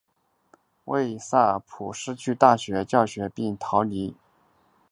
魏萨普失去了大学教职并逃离巴伐利亚。